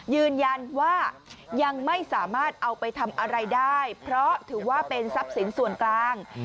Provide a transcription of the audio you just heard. ยืนยันว่ายังไม่สามารถเอาไปทำอะไรได้เพราะถือว่าเป็นทรัพย์สินส่วนกลาง